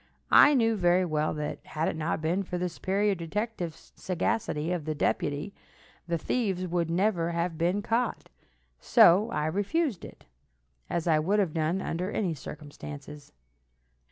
I knew very well that, had it not been for the superior detective sagacity of the deputy, the thieves would never have been caught, so I refused it, as I would have done under any circumstances.